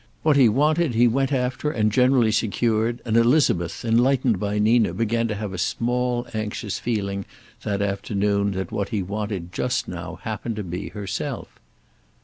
What he wanted he went after and generally secured, and Elizabeth, enlightened by Nina, began to have a small anxious feeling that afternoon that what he wanted just now happened to be herself.